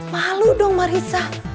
malu dong marissa